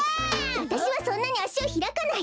わたしはそんなにあしをひらかない！